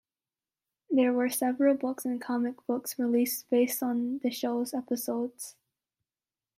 There were several books and comic books released based on the show's episodes.